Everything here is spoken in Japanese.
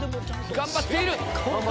頑張っている！